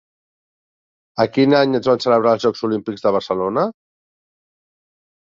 A quin any es van celebrar els Jocs Olímpics de Barcelona?